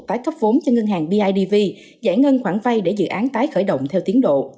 tái cấp vốn cho ngân hàng bidv giải ngân khoản vay để dự án tái khởi động theo tiến độ